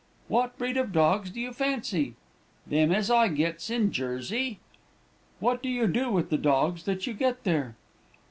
"'What breed of dogs do you fancy?' "'Them as I gets in Jersey.' "'What do you do with the dogs that you get there?'